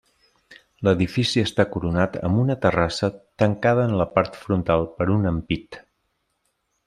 L'edifici està coronat amb una terrassa, tancada en la part frontal per un ampit.